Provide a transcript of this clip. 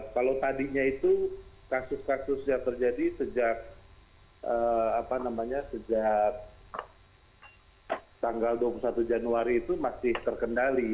kalau tadinya itu kasus kasus yang terjadi sejak tanggal dua puluh satu januari itu masih terkendali